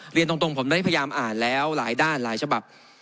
เรียนตรงผมได้พยายามอ่านแล้วหลายด้านหลายฉบับ